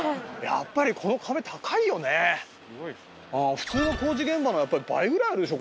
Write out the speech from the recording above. やっぱり普通の工事現場の倍ぐらいあるでしょ